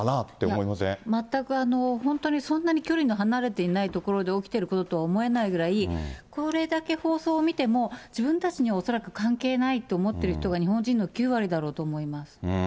いや、全く本当にそんなに距離の離れていない所で起きてることとは思えないぐらい、これだけ放送を見ても、自分たちには恐らく関係ないと思ってる人が、日本人の９割だろうと思います。